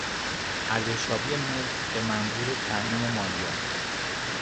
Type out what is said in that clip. ارزشیابی ملک به منظور تعیین مالیات